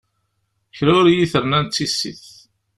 Kra ur yi-t-rnan d tissit.